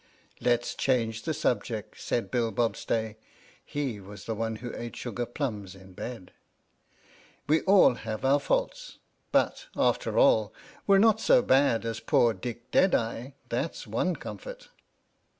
" Let's change the subject," said Bill Bobstay (he was the one who ate sugar plums in bed), "we all have our faults. But, after all, we're not so bad as poor Dick Dead eye— that's one comfort!